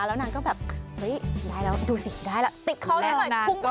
แล้วนางก็แบบเอ้ยได้แล้วดูสิได้แล้วปลิ๊กเข้าเลยสุ่มผันแล้วนางก็